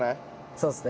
そうですね。